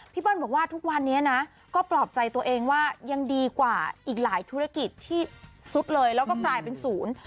เปิ้ลบอกว่าทุกวันนี้นะก็ปลอบใจตัวเองว่ายังดีกว่าอีกหลายธุรกิจที่สุดเลยแล้วก็กลายเป็นศูนย์